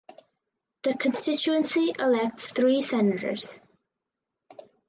The constituency elects three senators.